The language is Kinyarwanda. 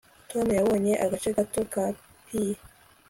tom yabonye agace gato ka pie